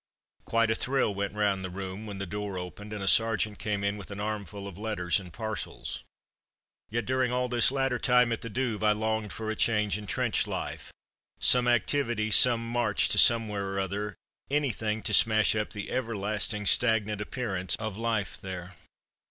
Quite a thrill went round the room when the door opened and a sergeant came in with an armful of letters and parcels. Yet during all this latter time at the Douve I longed for a change in trench life. Some activity, some march to somewhere or other; anything to smash up the everlasting stagnant appearance of life there.